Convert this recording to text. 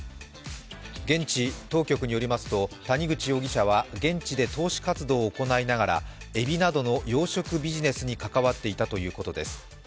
現地当局によりますと谷口容疑者は現地で投資活動を行いながらえびなどの養殖ビジネスに関わっていたということです。